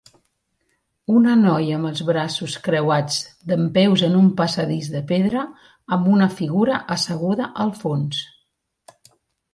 Una noia amb els braços creuats dempeus en un passadís de pedra, amb una figura asseguda al fons.